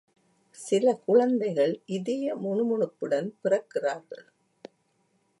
சில குழந்தைகள் இதய முணுமுணுப்புடன் பிறக்கிறார்கள்.